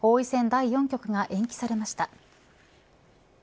第四局が延期されました。